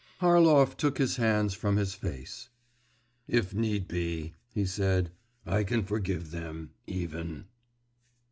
Harlov took his hands from his face. 'If need be,' he said, 'I can forgive them, even!